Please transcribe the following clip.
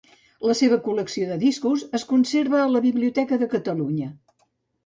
La seva col·lecció de discos es conserva a la Biblioteca de Catalunya.